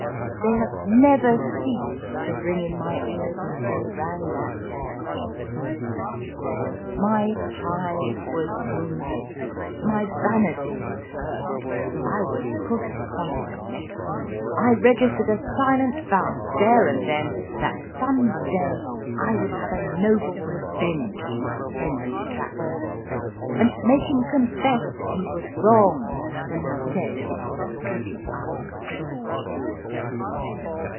They have never ceased to ring in my ears as they rang that day. FAUST UP TO DATE My pride was wounded, my vanity was hurt, I was put upon my mettle. I registered a silent vow there and then that some day I would have a noble revenge on my friendly detractor, and make him confess that he was wrong when he said that it was a pity I scribbled.